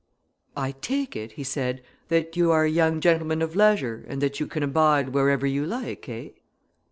"I take it," he said, "that you are a young gentleman of leisure, and that you can abide wherever you like, eh?"